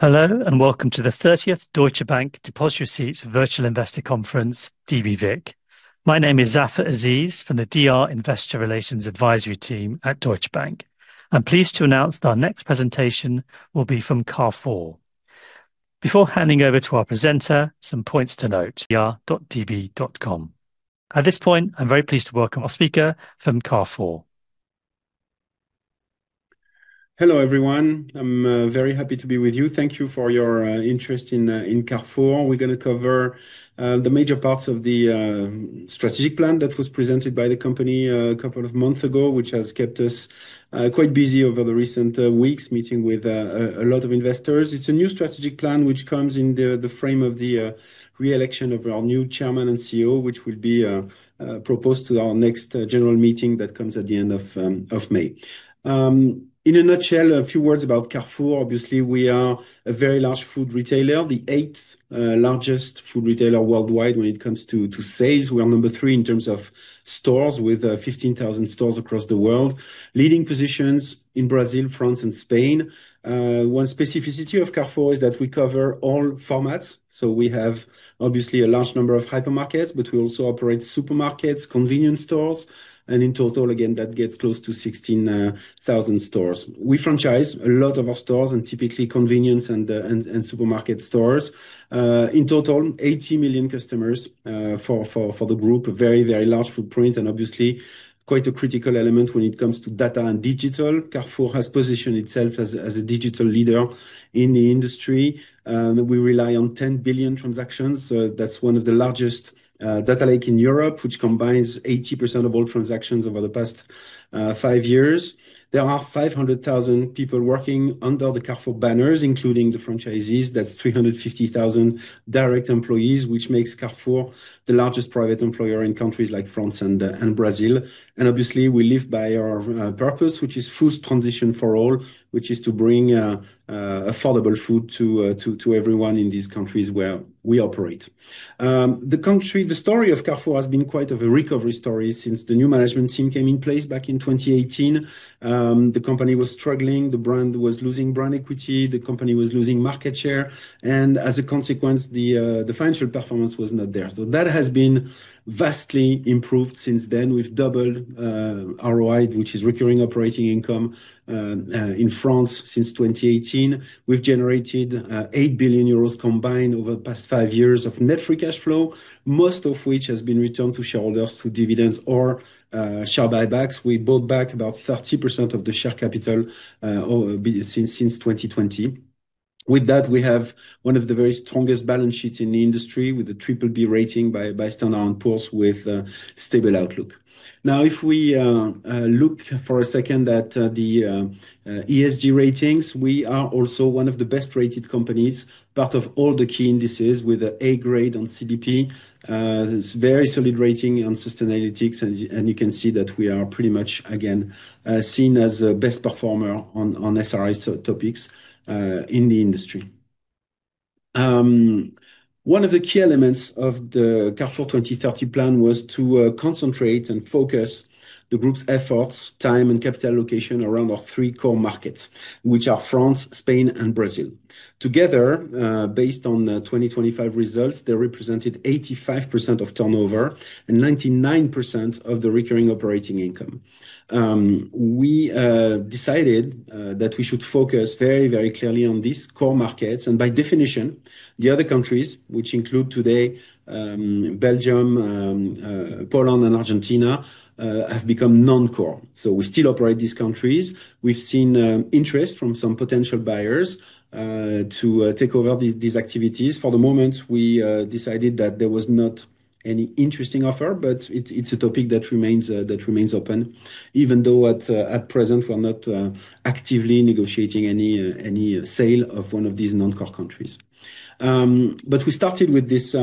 Hello, and welcome to the 30th Deutsche Bank Depositary Receipts Virtual Investor Conference, DBVIC. My name is Zafar Aziz from the DR Investor Relations Advisory team at Deutsche Bank. I'm pleased to announce that our next presentation will be from Carrefour. Before handing over to our presenter, some points to note. adr.db.com. At this point, I'm very pleased to welcome our speaker from Carrefour. Hello, everyone. I'm very happy to be with you. Thank you for your interest in Carrefour. We're gonna cover the major parts of the strategic plan that was presented by the company a couple of months ago, which has kept us quite busy over the recent weeks, meeting with a lot of investors. It's a new strategic plan which comes in the frame of the re-election of our new Chairman and CEO, which will be proposed to our next general meeting that comes at the end of May. In a nutshell, a few words about Carrefour. Obviously, we are a very large food retailer, the eighth largest food retailer worldwide when it comes to sales. We are number three in terms of stores with 15,000 stores across the world, leading positions in Brazil, France and Spain. One specificity of Carrefour is that we cover all formats. We have obviously a large number of hypermarkets, but we also operate supermarkets, convenience stores, and in total, again, that gets close to 16,000 stores. We franchise a lot of our stores and typically convenience and supermarket stores. In total 80 million customers for the group. A very, very large footprint and obviously quite a critical element when it comes to data and digital. Carrefour has positioned itself as a digital leader in the industry. We rely on 10 billion transactions. That's one of the largest data lake in Europe, which combines 80% of all transactions over the past five years. There are 500,000 people working under the Carrefour banners, including the franchisees. That's 350,000 direct employees, which makes Carrefour the largest private employer in countries like France and Brazil. Obviously, we live by our purpose, which is food transition for all, which is to bring affordable food to everyone in these countries where we operate. The story of Carrefour has been quite of a recovery story since the new management team came in place back in 2018. The company was struggling, the brand was losing brand equity, the company was losing market share. As a consequence, the financial performance was not there. That has been vastly improved since then. We've doubled ROI, which is recurring operating income, in France since 2018. We've generated 8 billion euros combined over the past five years of net free cash flow, most of which has been returned to shareholders through dividends or share buybacks. We bought back about 30% of the share capital since 2020. With that, we have one of the very strongest balance sheets in the industry with a triple B rating by Standard & Poor's with a stable outlook. If we look for a second at the ESG ratings, we are also one of the best-rated companies. Part of all the key indices with a A grade on CDP. It's very solid rating on Sustainalytics, and you can see that we are pretty much again seen as a best performer on SRI topics in the industry. One of the key elements of the Carrefour 2030 plan was to concentrate and focus the group's efforts, time, and capital allocation around our three core markets, which are France, Spain, and Brazil. Together, based on 2025 results, they represented 85% of turnover and 99% of the recurring operating income. We decided that we should focus very, very clearly on these core markets, by definition, the other countries, which include today, Belgium, Poland and Argentina, have become non-core. We still operate these countries. We've seen interest from some potential buyers to take over these activities. For the moment, we decided that there was not any interesting offer, but it's a topic that remains that remains open, even though at present, we're not actively negotiating any sale of one of these non-core countries. We started with this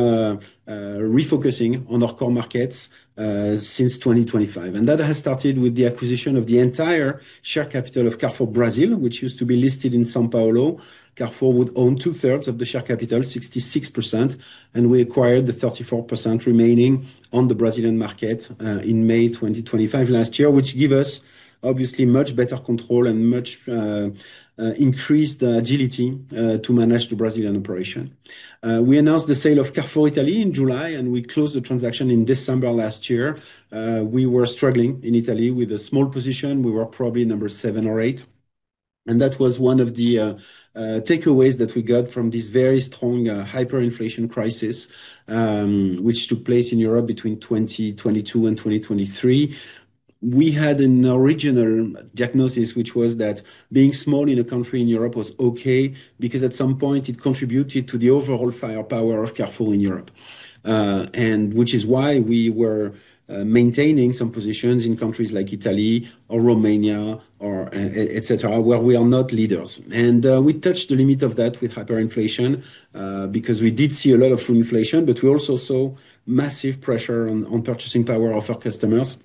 refocusing on our core markets since 2025, and that has started with the acquisition of the entire share capital of Carrefour Brazil, which used to be listed in São Paulo. Carrefour would own two-thirds of the share capital, 66%, and we acquired the 34% remaining on the Brazilian market in May 2025 last year, which give us obviously much better control and much increased agility to manage the Brazilian operation. We announced the sale of Carrefour Italy in July, and we closed the transaction in December last year. We were struggling in Italy with a small position. We were probably number seven or eight, and that was one of the takeaways that we got from this very strong hyperinflation crisis, which took place in Europe between 2022 and 2023. We had an original diagnosis, which was that being small in a country in Europe was okay because at some point it contributed to the overall firepower of Carrefour in Europe, and which is why we were maintaining some positions in countries like Italy or Romania or et cetera, where we are not leaders. We touched the limit of that with hyperinflation because we did see a lot of food inflation, but we also saw massive pressure on purchasing power of our customers.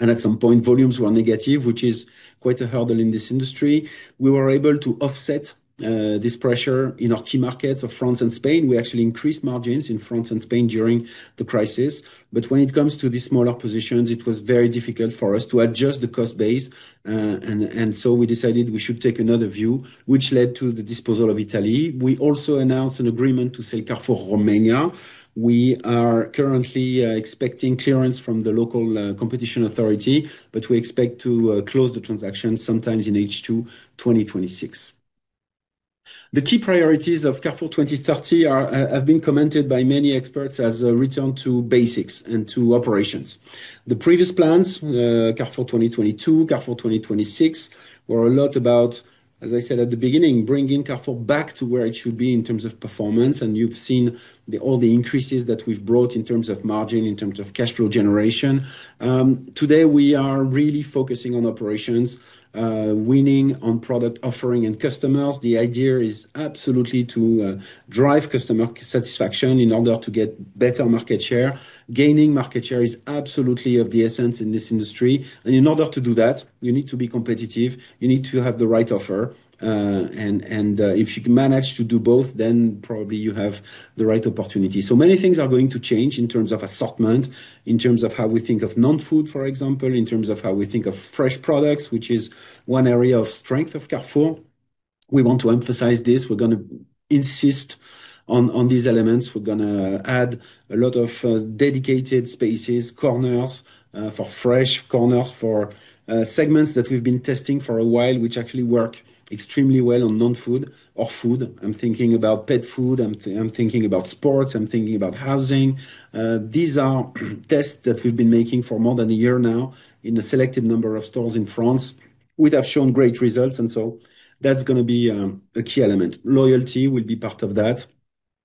At some point, volumes were negative, which is quite a hurdle in this industry. We were able to offset this pressure in our key markets of France and Spain. We actually increased margins in France and Spain during the crisis. When it comes to the smaller positions, it was very difficult for us to adjust the cost base. We decided we should take another view, which led to the disposal of Italy. We also announced an agreement to sell Carrefour Romania. We are currently expecting clearance from the local competition authority, we expect to close the transaction sometimes in H2 2026. The key priorities of Carrefour 2030 have been commented by many experts as a return to basics and to operations. The previous plans, Carrefour 2022, Carrefour 2026, were a lot about, as I said at the beginning, bringing Carrefour back to where it should be in terms of performance, and you've seen all the increases that we've brought in terms of margin, in terms of cash flow generation. Today we are really focusing on operations, winning on product offering and customers. The idea is absolutely to drive customer satisfaction in order to get better market share. Gaining market share is absolutely of the essence in this industry. In order to do that, you need to be competitive, you need to have the right offer. If you manage to do both, probably you have the right opportunity. Many things are going to change in terms of assortment, in terms of how we think of non-food, for example, in terms of how we think of fresh products, which is one area of strength of Carrefour. We want to emphasize this. We're gonna insist on these elements. We're gonna add a lot of dedicated spaces, corners, for fresh corners, for segments that we've been testing for a while, which actually work extremely well on non-food or food. I'm thinking about pet food, I'm thinking about sports, I'm thinking about housing. These are tests that we've been making for more than a year now in a selected number of stores in France, which have shown great results, and so that's gonna be a key element. Loyalty will be part of that.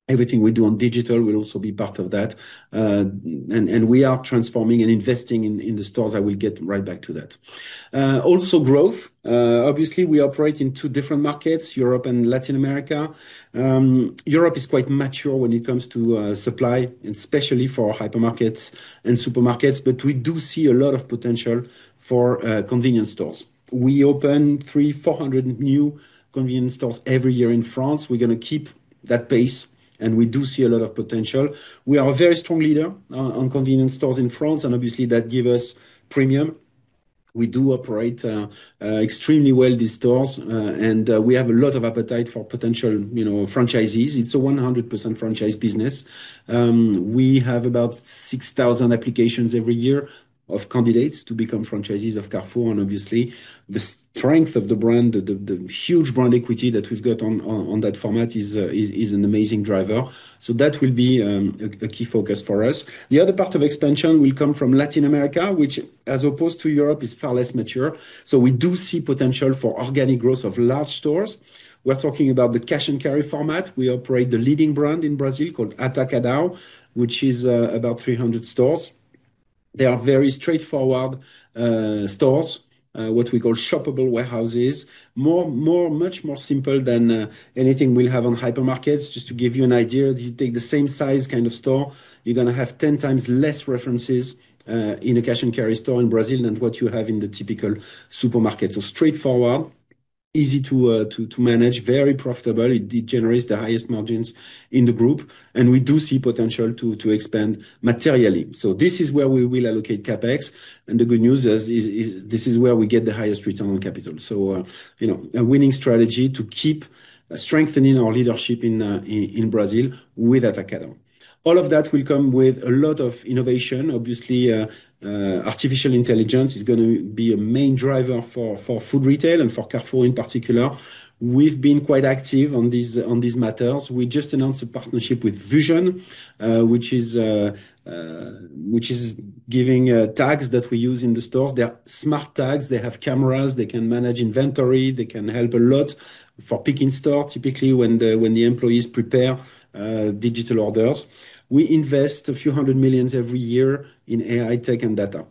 Everything we do on digital will also be part of that. We are transforming and investing in the stores. I will get right back to that. Also growth. Obviously, we operate in two different markets, Europe and Latin America. Europe is quite mature when it comes to supply, and especially for hypermarkets and supermarkets, but we do see a lot of potential for convenience stores. We open 300 to 400 new convenience stores every year in France. We're gonna keep that pace, and we do see a lot of potential. We are a very strong leader on convenience stores in France, obviously, that give us premium. We do operate extremely well these stores, we have a lot of appetite for potential, you know, franchisees. It's a 100% franchise business. We have about 6,000 applications every year of candidates to become franchisees of Carrefour, obviously, the strength of the brand, the huge brand equity that we've got on that format is an amazing driver. That will be a key focus for us. The other part of expansion will come from Latin America, which, as opposed to Europe, is far less mature. We do see potential for organic growth of large stores. We're talking about the cash-and-carry format. We operate the leading brand in Brazil called Atacadão, which is about 300 stores. They are very straightforward stores, what we call shoppable warehouses. Much more simple than anything we'll have on hypermarkets. Just to give you an idea, if you take the same size kind of store, you're gonna have 10x less references in a cash-and-carry store in Brazil than what you have in the typical supermarket. Straightforward, easy to manage, very profitable. It generates the highest margins in the group, and we do see potential to expand materially. This is where we will allocate CapEx, and the good news is this is where we get the highest return on capital. You know, a winning strategy to keep strengthening our leadership in Brazil with Atacadão. All of that will come with a lot of innovation. Obviously, artificial intelligence is gonna be a main driver for food retail and for Carrefour in particular. We've been quite active on these matters. We just announced a partnership with VusionGroup, which is giving tags that we use in the stores. They are smart tags. They have cameras. They can manage inventory. They can help a lot for pick in store, typically when the employees prepare digital orders. We invest a few hundred million EUR every year in AI tech and data.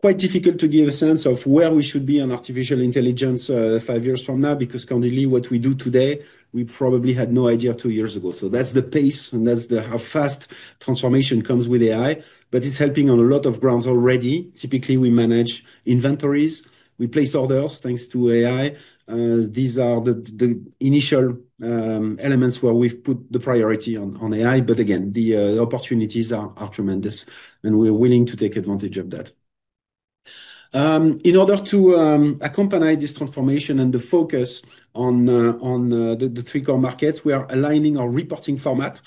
Quite difficult to give a sense of where we should be on artificial intelligence five years from now because currently what we do today, we probably had no idea two years ago. That's the pace, and that's how fast transformation comes with AI, but it's helping on a lot of grounds already. Typically, we manage inventories. We place orders thanks to AI. These are the initial elements where we've put the priority on AI. Again, the opportunities are tremendous, and we're willing to take advantage of that. In order to accompany this transformation and the focus on the three core markets, we are aligning our reporting format.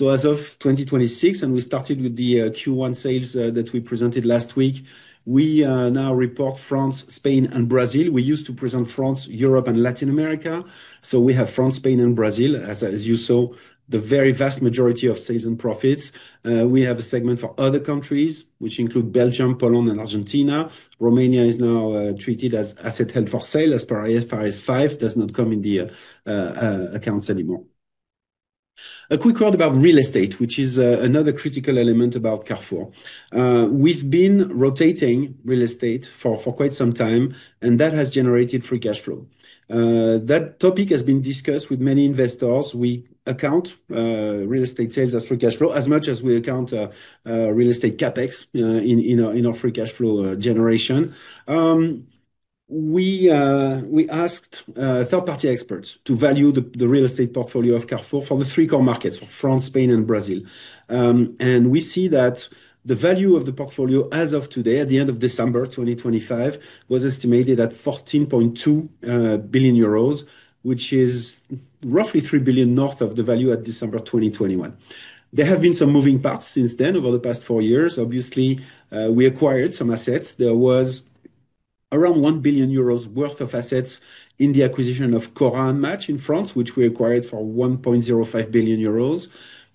As of 2026, and we started with the Q1 sales that we presented last week, we now report France, Spain, and Brazil. We used to present France, Europe, and Latin America. We have France, Spain, and Brazil. As you saw, the very vast majority of sales and profits. We have a segment for other countries, which include Belgium, Poland, and Argentina. Romania is now treated as asset held for sale as per IFRS 5, does not come in the accounts anymore. A quick word about real estate, which is another critical element about Carrefour. We've been rotating real estate for quite some time, and that has generated free cash flow. That topic has been discussed with many investors. We account real estate sales as free cash flow as much as we account real estate CapEx in our free cash flow generation. We asked third-party experts to value the real estate portfolio of Carrefour from the three core markets, France, Spain, and Brazil. We see that the value of the portfolio as of today, at the end of December 2025, was estimated at 14.2 billion euros, which is roughly 3 billion north of the value at December 2021. There have been some moving parts since then over the past four years. Obviously, we acquired some assets. There was around 1 billion euros worth of assets in the acquisition of Cora and Match in France, which we acquired for 1.05 billion euros.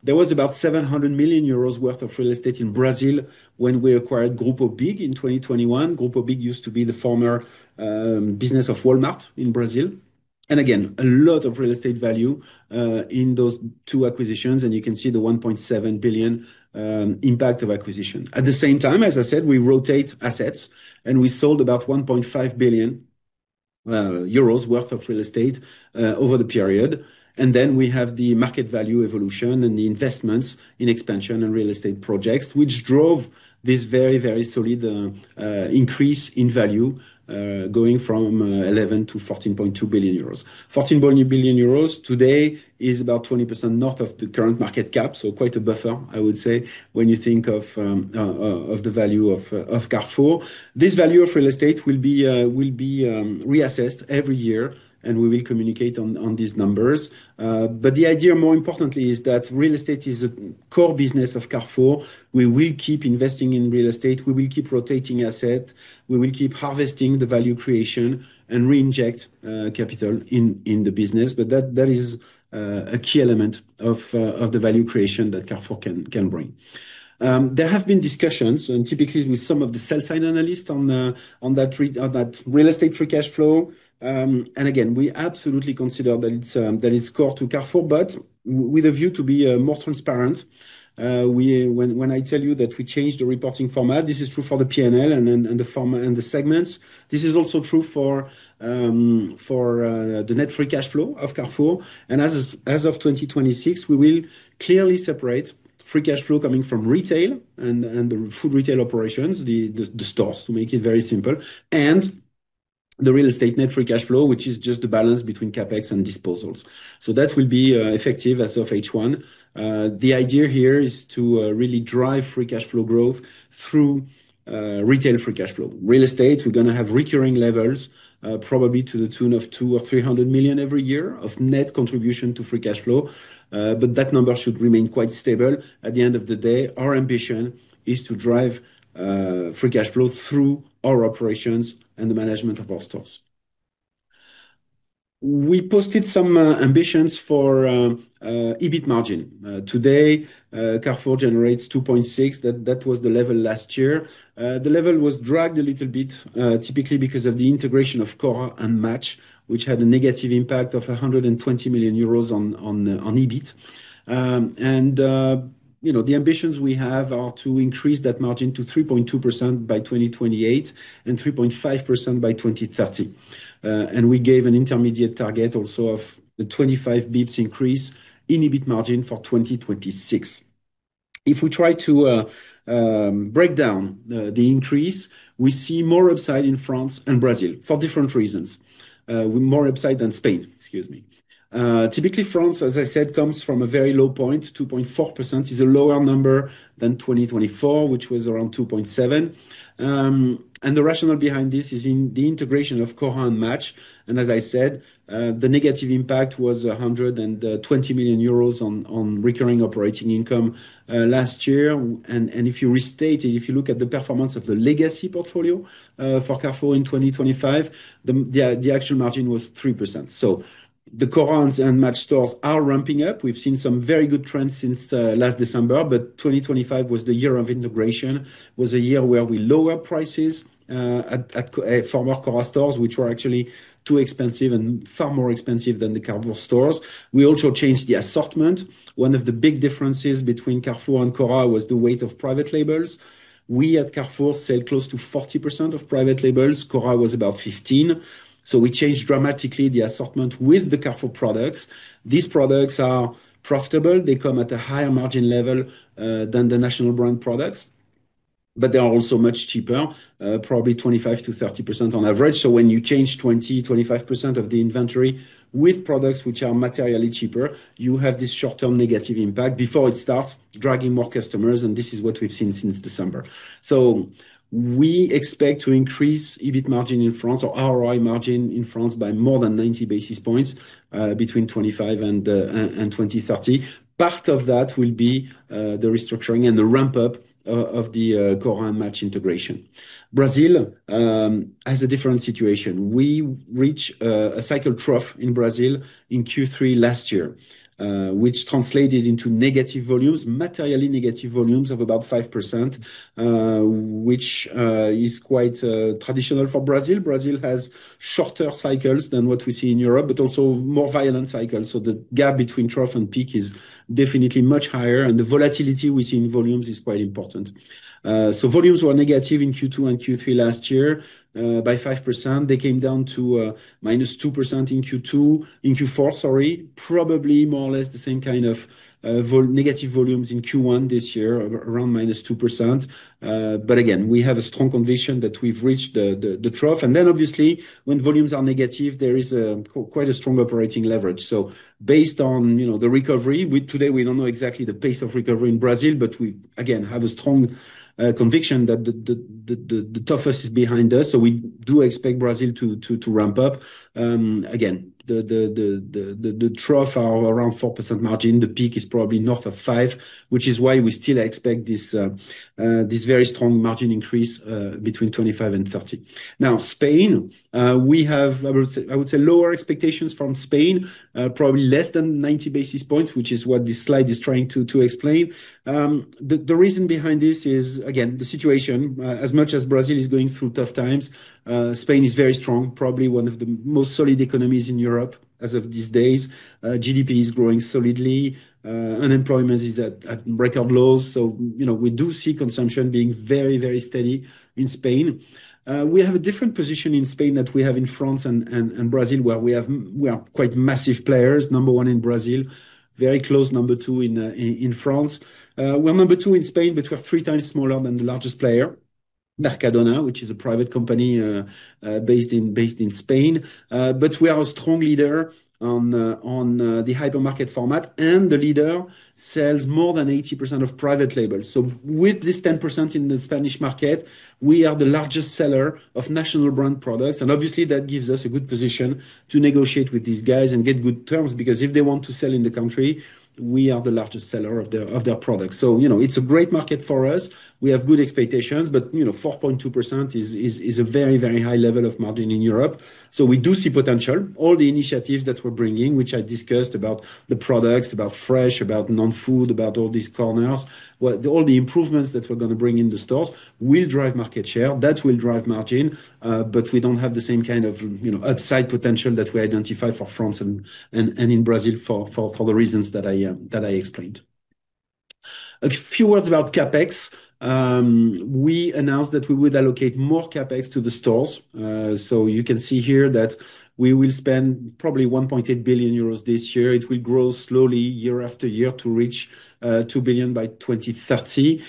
There was about 700 million euros worth of real estate in Brazil when we acquired Grupo BIG in 2021. Grupo BIG used to be the former business of Walmart in Brazil. Again, a lot of real estate value in those two acquisitions, and you can see the 1.7 billion impact of acquisition. At the same time, as I said, we rotate assets. We sold about 1.5 billion euros worth of real estate over the period. We have the market value evolution and the investments in expansion and real estate projects, which drove this very, very solid increase in value, going from 11 billion-14.2 billion euros. 14 billion euros today is about 20% north of the current market cap. Quite a buffer, I would say, when you think of the value of Carrefour. This value of real estate will be reassessed every year. We will communicate on these numbers. The idea, more importantly, is that real estate is a core business of Carrefour. We will keep investing in real estate. We will keep rotating asset. We will keep harvesting the value creation and reinject capital in the business. That, that is a key element of the value creation that Carrefour can bring. There have been discussions and typically with some of the sell side analysts on that real estate free cash flow. Again, we absolutely consider that it's that it's core to Carrefour, but with a view to be more transparent, when I tell you that we changed the reporting format, this is true for the P&L and then, and the segments. This is also true for the net free cash flow of Carrefour. As of 2026, we will clearly separate free cash flow coming from retail and the food retail operations, the stores, to make it very simple, and the real estate net free cash flow, which is just the balance between CapEx and disposals. That will be effective as of H1. The idea here is to really drive free cash flow growth through retail free cash flow. Real estate, we're gonna have recurring levels, probably to the tune of 200 million or 300 million every year of net contribution to free cash flow. That number should remain quite stable. At the end of the day, our ambition is to drive free cash flow through our operations and the management of our stores. We posted some ambitions for EBIT margin. Today, Carrefour generates 2.6%. That was the level last year. The level was dragged a little bit, typically because of the integration of Cora and Match, which had a negative impact of 120 million euros on EBIT. You know, the ambitions we have are to increase that margin to 3.2% by 2028 and 3.5% by 2030. We gave an intermediate target also of the 25 basis points increase in EBIT margin for 2026. If we try to break down the increase, we see more upside in France and Brazil for different reasons. More upside than Spain, excuse me. Typically France, as I said, comes from a very low point. 2.4% is a lower number than 2024, which was around 2.7. The rationale behind this is in the integration of Cora and Match. As I said, the negative impact was 120 million euros on recurring operating income last year. If you restate, if you look at the performance of the legacy portfolio for Carrefour in 2025, the actual margin was 3%. The Cora and Match stores are ramping up. We've seen some very good trends since last December, but 2025 was the year of integration, was a year where we lower prices at former Cora stores, which were actually too expensive and far more expensive than the Carrefour stores. We also changed the assortment. One of the big differences between Carrefour and Cora was the weight of private labels. We at Carrefour sell close to 40% of private labels. Cora was about 15. We changed dramatically the assortment with the Carrefour products. These products are profitable. They come at a higher margin level than the national brand products, but they are also much cheaper, probably 25%-30% on average. When you change 20%-25% of the inventory with products which are materially cheaper, you have this short-term negative impact before it starts dragging more customers, and this is what we've seen since December. We expect to increase EBIT margin in France or ROI margin in France by more than 90 basis points between 2025 and 2030. Part of that will be the restructuring and the ramp-up of the Cora and Match integration. Brazil has a different situation. We reach a cycle trough in Brazil in Q3 last year, which translated into negative volumes, materially negative volumes of about 5%, which is quite traditional for Brazil. Brazil has shorter cycles than what we see in Europe, but also more violent cycles. The gap between trough and peak is definitely much higher, and the volatility we see in volumes is quite important. Volumes were negative in Q2 and Q3 last year, by 5%. They came down to -2% in Q4, sorry. Probably more or less the same kind of negative volumes in Q1 this year, around -2%. Again, we have a strong conviction that we've reached the trough. Obviously, when volumes are negative, there is quite a strong operating leverage. Based on, you know, the recovery, today we don't know exactly the pace of recovery in Brazil, but we, again, have a strong conviction that the toughest is behind us, we do expect Brazil to ramp up. Again, the trough are around 4% margin. The peak is probably north of five, which is why we still expect this very strong margin increase between 25 and 30. Spain, we have lower expectations from Spain, probably less than 90 basis points, which is what this slide is trying to explain. The reason behind this is, again, the situation. As much as Brazil is going through tough times, Spain is very strong, probably one of the most solid economies in Europe as of these days. GDP is growing solidly. Unemployment is at record lows. You know, we do see consumption being very steady in Spain. We have a different position in Spain that we have in France and Brazil, where we are quite massive players. Number one in Brazil, very close number two in France. We're number two in Spain, but we're three times smaller than the largest player, Mercadona, which is a private company based in Spain. We are a strong leader on the hypermarket format, and the leader sells more than 80% of private labels. With this 10% in the Spanish market, we are the largest seller of national brand products, and obviously that gives us a good position to negotiate with these guys and get good terms, because if they want to sell in the country, we are the largest seller of their products. You know, it's a great market for us. We have good expectations, but, you know, 4.2% is a very high level of margin in Europe. We do see potential. All the initiatives that we're bringing, which I discussed about the products, about fresh, about non-food, about all these corners, all the improvements that we're gonna bring in the stores will drive market share. That will drive margin, we don't have the same kind of, you know, upside potential that we identified for France and in Brazil for the reasons that I explained. A few words about CapEx. We announced that we would allocate more CapEx to the stores. You can see here that we will spend probably 1.8 billion euros this year. It will grow slowly year after year to reach 2 billion by 2030.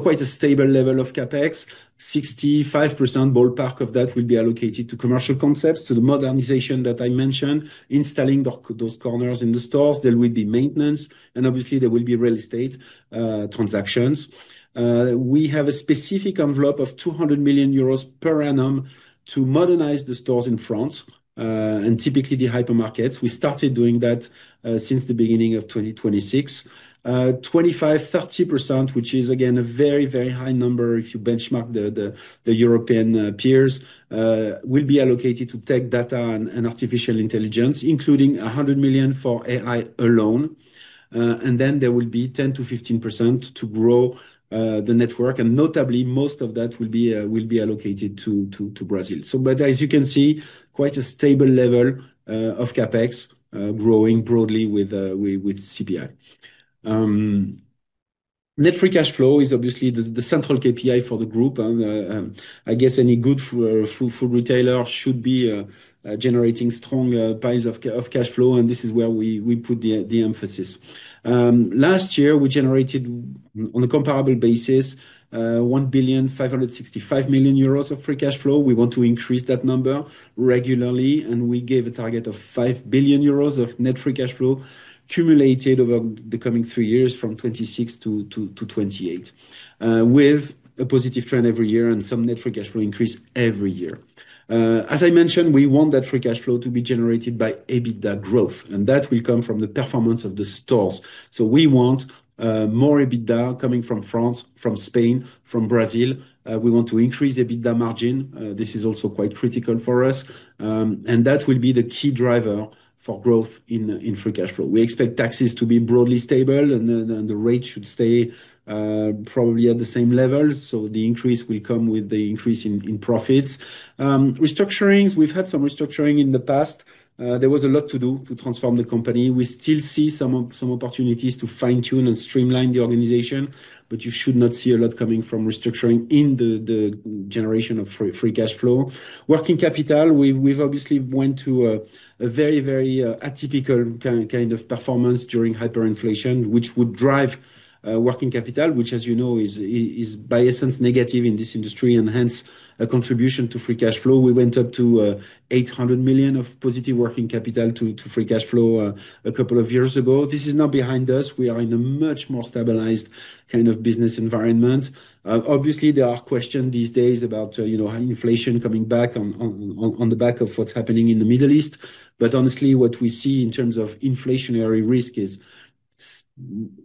Quite a stable level of CapEx. 65% ballpark of that will be allocated to commercial concepts, to the modernization that I mentioned, installing those corners in the stores. Obviously there will be maintenance, and there will be real estate transactions. We have a specific envelope of 200 million euros per annum to modernize the stores in France, and typically the hypermarkets. We started doing that since the beginning of 2026. 25%-30%, which is again, a very, very high number if you benchmark the European peers, will be allocated to tech data and artificial intelligence, including 100 million for AI alone. Then there will be 10%-15% to grow the network, Notably most of that will be allocated to Brazil. As you can see, quite a stable level of CapEx, growing broadly with CPI. Net free cash flow is obviously the central KPI for the group. I guess any good food retailer should be generating strong piles of cash flow, and this is where we put the emphasis. Last year, we generated, on a comparable basis, 1.565 billion of free cash flow. We want to increase that number regularly, and we gave a target of 5 billion euros of net free cash flow accumulated over the coming three years from 2026 to 2028, with a positive trend every year and some net free cash flow increase every year. As I mentioned, we want that free cash flow to be generated by EBITDA growth. That will come from the performance of the stores. We want more EBITDA coming from France, from Spain, from Brazil. We want to increase EBITDA margin. This is also quite critical for us. That will be the key driver for growth in free cash flow. We expect taxes to be broadly stable. The rate should stay probably at the same levels. The increase will come with the increase in profits. Restructurings. We've had some restructuring in the past. There was a lot to do to transform the company. We still see some opportunities to fine-tune and streamline the organization, but you should not see a lot coming from restructuring in the generation of free cash flow. Working capital. We've obviously went to a very, very atypical kind of performance during hyperinflation, which would drive working capital, which, as you know, is by essence negative in this industry and hence a contribution to free cash flow. We went up to 800 million of positive working capital to free cash flow a couple of years ago. This is now behind us. We are in a much more stabilized kind of business environment. Obviously, there are questions these days about you know, inflation coming back on the back of what's happening in the Middle East. Honestly, what we see in terms of inflationary risk is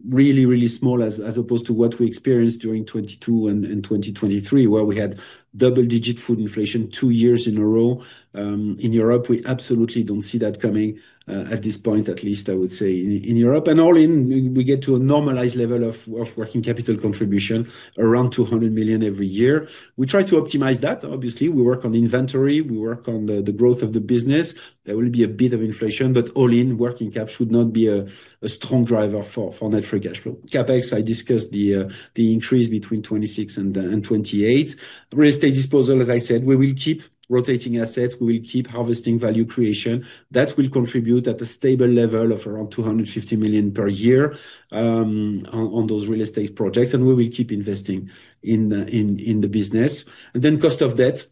really, really small as opposed to what we experienced during 2022 and 2023, where we had double-digit food inflation two years in a row in Europe. We absolutely don't see that coming at this point, at least I would say in Europe. All in, we get to a normalized level of working capital contribution, around 200 million every year. We try to optimize that. Obviously, we work on inventory, we work on the growth of the business. There will be a bit of inflation. All in, working capital should not be a strong driver for net free cash flow. CapEx, I discussed the increase between 2026 and 2028. Real estate disposal, as I said, we will keep rotating assets. We will keep harvesting value creation. That will contribute at a stable level of around 250 million per year on those real estate projects, and we will keep investing in the business. Cost of debt.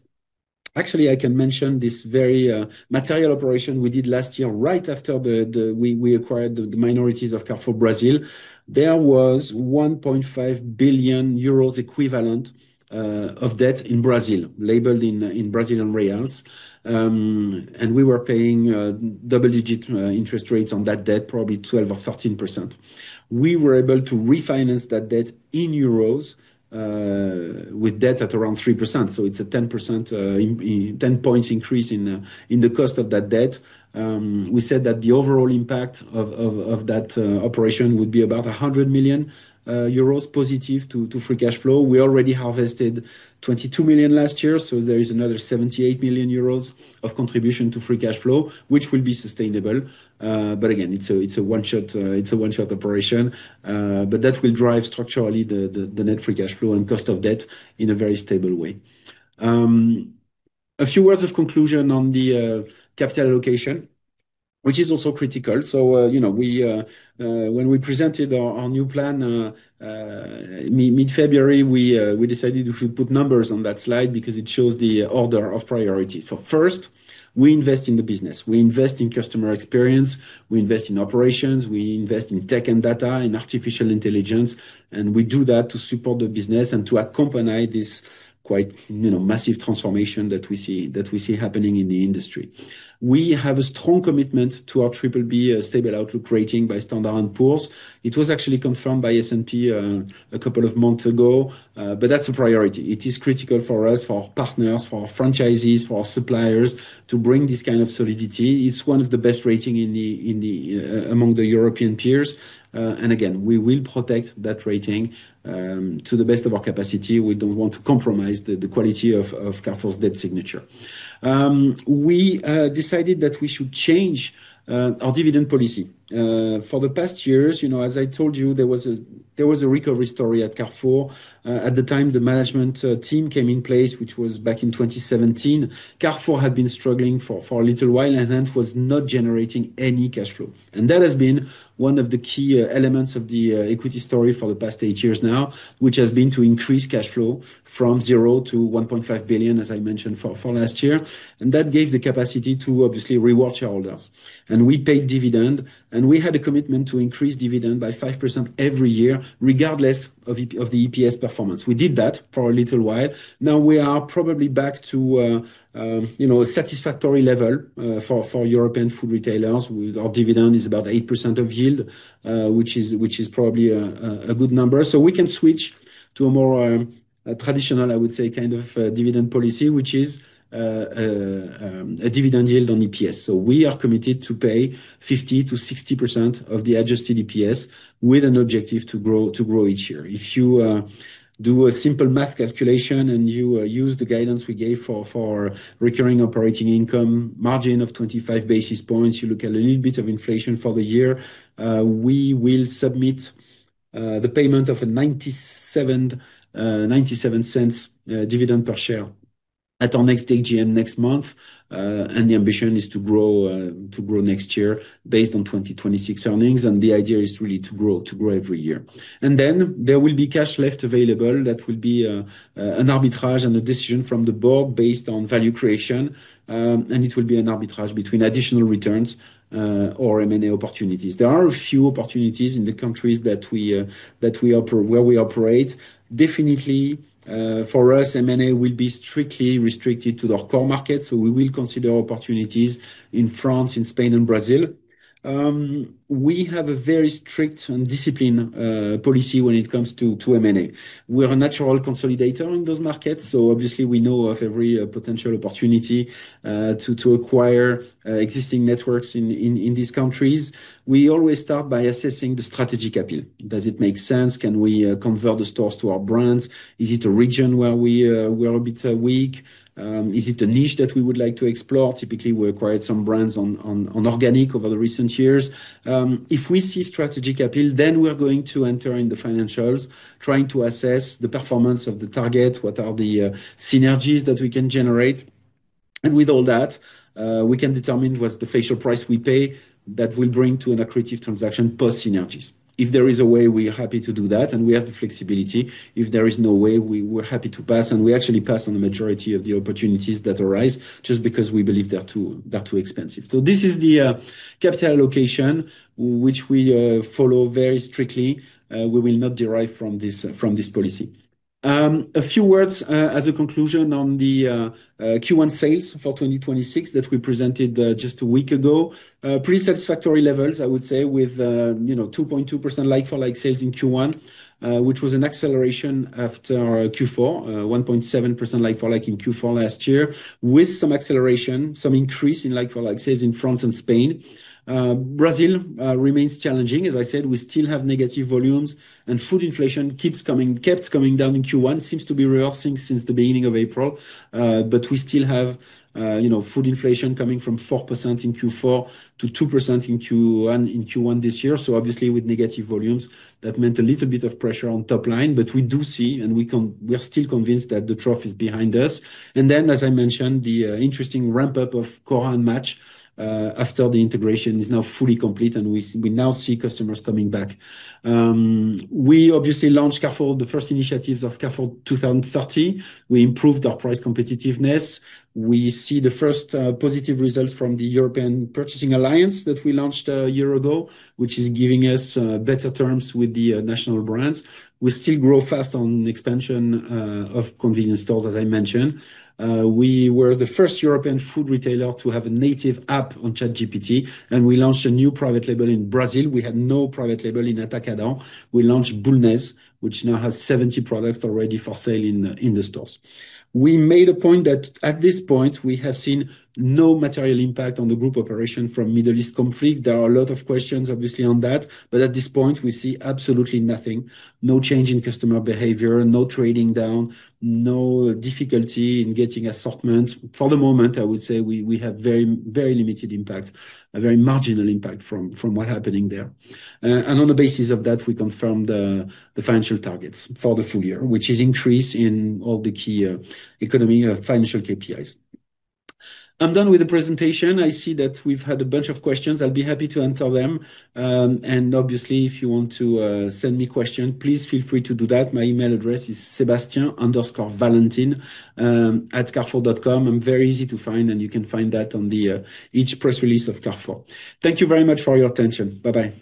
Actually, I can mention this very material operation we did last year right after we acquired the minorities of Carrefour Brazil. There was 1.5 billion euros equivalent of debt in Brazil labeled in Brazilian reals. We were paying double-digit interest rates on that debt, probably 12% or 13%. We were able to refinance that debt in euros with debt at around 3%, so it's a 10 points increase in the cost of that debt. We said that the overall impact of that operation would be about 100 million euros positive to free cash flow. We already harvested 22 million last year, there is another 78 million euros of contribution to free cash flow, which will be sustainable. Again, it's a one-shot operation. That will drive structurally the net free cash flow and cost of debt in a very stable way. A few words of conclusion on capital allocation, which is also critical. When we presented our new plan mid-February, we decided we should put numbers on that slide because it shows the order of priority. First, we invest in the business. We invest in customer experience, we invest in operations, we invest in tech and data, in artificial intelligence. We do that to support the business and to accompany this quite, you know, massive transformation that we see happening in the industry. We have a strong commitment to our triple B stable outlook rating by Standard & Poor's. It was actually confirmed by S&P a couple of months ago. That's a priority. It is critical for us, for our partners, for our franchisees, for our suppliers to bring this kind of solidity. It's one of the best rating in the among the European peers. Again, we will protect that rating to the best of our capacity. We don't want to compromise the quality of Carrefour's debt signature. We decided that we should change our dividend policy. For the past years, you know, as I told you, there was a recovery story at Carrefour. At the time the management team came in place, which was back in 2017, Carrefour had been struggling for a little while and was not generating any cash flow. That has been one of the key elements of the equity story for the past eight years now, which has been to increase cash flow from zero to 1.5 billion, as I mentioned for last year. That gave the capacity to obviously reward shareholders. We paid dividend, and we had a commitment to increase dividend by 5% every year, regardless of the EPS performance. We did that for a little while. Now we are probably back to, you know, a satisfactory level for European food retailers. Our dividend is about 8% of yield, which is probably a good number. We can switch to a more traditional, I would say, kind of dividend policy, which is a dividend yield on EPS. We are committed to pay 50%-60% of the adjusted EPS with an objective to grow each year. If you do a simple math calculation and you use the guidance we gave for recurring operating income margin of 25 basis points, you look at a little bit of inflation for the year, we will submit the payment of a 0.97 dividend per share at our next AGM next month. The ambition is to grow next year based on 2026 earnings, and the idea is really to grow every year. There will be cash left available that will be an arbitrage and a decision from the board based on value creation, and it will be an arbitrage between additional returns or M&A opportunities. There are a few opportunities in the countries that we operate. Definitely, for us, M&A will be strictly restricted to our core market, so we will consider opportunities in France, in Spain, and Brazil. We have a very strict and disciplined policy when it comes to M&A. We are a natural consolidator in those markets. Obviously, we know of every potential opportunity to acquire existing networks in these countries. We always start by assessing the strategic appeal. Does it make sense? Can we convert the stores to our brands? Is it a region where we are a bit weak? Is it a niche that we would like to explore? Typically, we acquired some brands on organic over the recent years. If we see strategic appeal, we are going to enter in the financials, trying to assess the performance of the target, what are the synergies that we can generate. With all that, we can determine what's the fair price we pay that will bring to an accretive transaction post synergies. If there is a way, we are happy to do that, and we have the flexibility. If there is no way, we're happy to pass, and we actually pass on the majority of the opportunities that arise just because we believe they are too expensive. This is the capital allocation which we follow very strictly. We will not derive from this policy. A few words as a conclusion on the Q1 sales for 2026 that we presented just a week ago. Pretty satisfactory levels, I would say, with you know, 2.2% like-for-like sales in Q1, which was an acceleration after Q4. 1.7% like-for-like in Q4 last year, with some acceleration, some increase in like-for-like sales in France and Spain. Brazil remains challenging. As I said, we still have negative volumes and food inflation kept coming down in Q1. Seems to be reversing since the beginning of April. We still have, you know, food inflation coming from 4% in Q4 to 2% in Q1 this year. Obviously with negative volumes, that meant a little bit of pressure on top line, but we do see and we are still convinced that the trough is behind us. As I mentioned, the interesting ramp-up of Cora & Match after the integration is now fully complete and we now see customers coming back. We obviously launched Carrefour, the first initiatives of Carrefour 2030. We improved our price competitiveness. We see the first positive results from the European Purchasing Alliance that we launched a year ago, which is giving us better terms with the national brands. We still grow fast on expansion of convenience stores, as I mentioned. We were the first European food retailer to have a native app on ChatGPT, and we launched a new private label in Brazil. We had no private label in Atacadão. We launched Bulnez, which now has 70 products already for sale in the stores. We made a point that at this point, we have seen no material impact on the group operation from Middle East conflict. There are a lot of questions obviously on that, but at this point we see absolutely nothing. No change in customer behavior, no trading down, no difficulty in getting assortment. For the moment, I would say we have very, very limited impact, a very marginal impact from what happening there. On the basis of that, we confirm the financial targets for the full year, which is increase in all the key economy financial KPIs. I'm done with the presentation. I see that we've had a bunch of questions. I'll be happy to answer them. Obviously, if you want to send me a question, please feel free to do that. My email address is sebastien_valentin@carrefour.com. I'm very easy to find, and you can find that on the each press release of Carrefour. Thank you very much for your attention. Bye-bye.